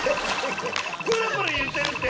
プルプルいってるって！